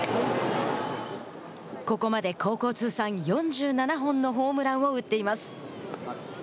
ここまで高校通算４７本のホームランを打っています。